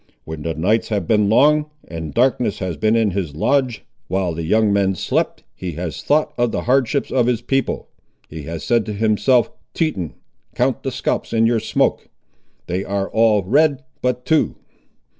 When the nights have been long, and darkness has been in his lodge, while the young men slept, he has thought of the hardships of his people. He has said to himself, Teton, count the scalps in your smoke. They are all red but two!